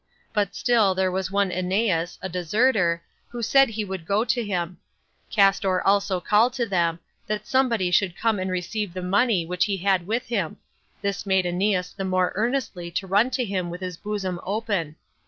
But still there was one Eneas, a deserter, who said he would go to him. Castor also called to them, that somebody should come and receive the money which he had with him; this made Eneas the more earnestly to run to him with his bosom open.